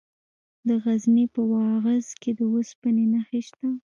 د غزني په واغظ کې د اوسپنې نښې شته.